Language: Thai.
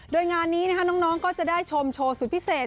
โดยงานนี้น้องก็จะได้ชมโชว์สุดพิเศษ